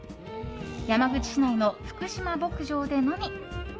山口市内の福嶋牧場でのみ。